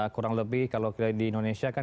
kurang lebih kalau di indonesia kan